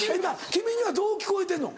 君にはどう聞こえてんの？